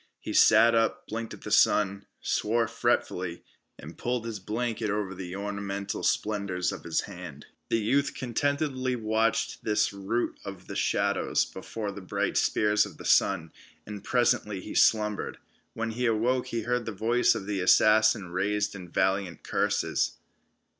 He sat up, blinked at the sun, swore fretfully, and pulled his blanket over the ornamental splendors of his head. The youth contentedly watched this rout of the shadows before the bright spears of the sun, and presently he slumbered. When he awoke he heard the voice of the assassin raised in valiant curses.